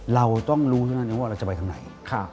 เราต้องรู้ทั้งนั้นว่าเราจะไปทำไหน